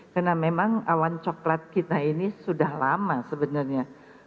karena memang awan coklat kita ini sudah lama sebenarnya